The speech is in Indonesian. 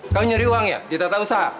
kamu nyari uang ya di tata usaha